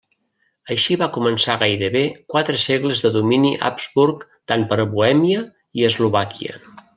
Així va començar gairebé quatre segles de domini Habsburg tant per Bohèmia i Eslovàquia.